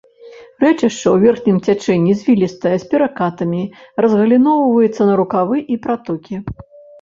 Рэчышча ў верхнім цячэнні звілістае, з перакатамі, разгаліноўваецца на рукавы і пратокі.